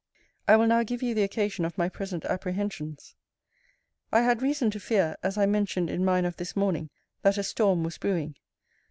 I will now give you the occasion of my present apprehensions. I had reason to fear, as I mentioned in mine of this morning, that a storm was brewing.